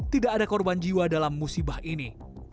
tidak ada korban jiwa dalam musibah ini